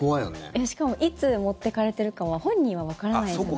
しかもいつ持っていかれてるかは本人はわからないじゃないですか。